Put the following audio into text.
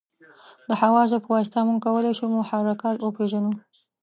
د حواسو په واسطه موږ کولای شو محرکات وپېژنو.